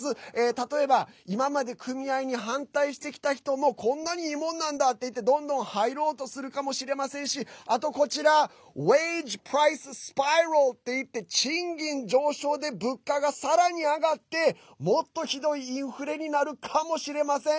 例えば、今まで組合に反対してきた人も、こんなにいいもんなんだっていってどんどん入ろうとするかもしれませんしあと、こちらｗａｇｅｐｒｉｃｅｓｐｉｒａｌっていって賃金上昇で物価がさらに上がってもっと、ひどいインフレになるかもしれません。